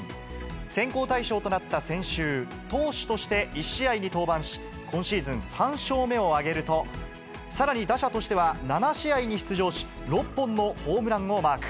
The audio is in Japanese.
選考対象となった先週、投手として１試合に登板し、今シーズン３勝目を挙げると、さらに打者としては、７試合に出場し、６本のホームランをマーク。